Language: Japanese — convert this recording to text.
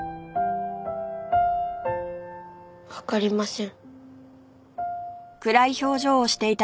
わかりません。